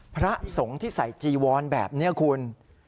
พระสงฆ์ที่ใส่จีวอนแบบนี้คุณ